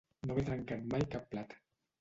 No haver trencat mai cap plat.